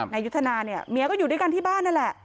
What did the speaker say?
นายยุทธนาเนี่ยเมียก็อยู่ด้วยกันที่บ้านนั่นแหละ